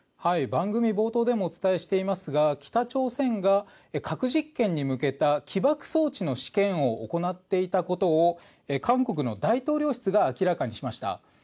番組冒頭でもお伝えしていますが北朝鮮が核実験に向けた起爆装置の試験を行っていたことを韓国の大統領室が明らかにしました。